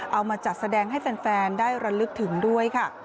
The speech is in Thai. เอามาจัดแสดงให้แฟนได้ระลึกถึงด้วยค่ะ